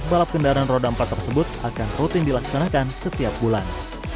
balap kendaraan roda empat tersebut akan rutin dilaksanakan setiap bulan